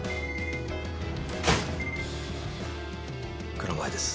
蔵前です。